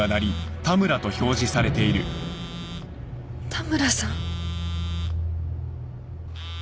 田村さん。